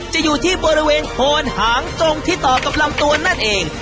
อยู่ที่บริเวณโคนหางตรงที่ต่อกับลำตัวนั่นเอง